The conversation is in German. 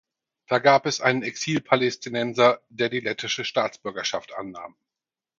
Da gab es einen Exilpalästinenser, der die lettische Staatsbürgerschaft annahm.